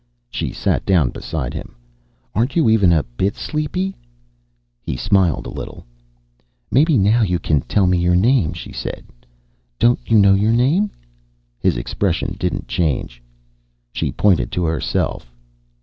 She sat down beside him. "Aren't you even a bit sleepy?" He smiled a little. "Maybe now you can tell me your name," she said. "Don't you know your name?" His expression didn't change. She pointed to herself.